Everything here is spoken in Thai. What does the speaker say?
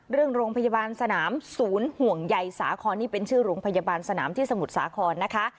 โรงพยาบาลสนามศูนย์ห่วงใยสาครนี่เป็นชื่อโรงพยาบาลสนามที่สมุทรสาครนะคะ